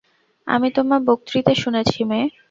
আমি তোমার বক্তৃতা শুনেছি, মেয়ে।